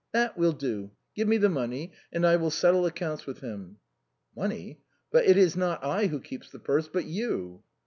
" That we'll do. Give me the money, and I will settle accounts with him." " Money ! But it is not I who keeps the purse, but you."